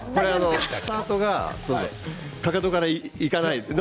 スタートがかかとからいかないとね。